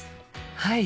はい！